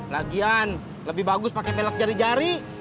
lagian lebih bagus pakai pelak jari jari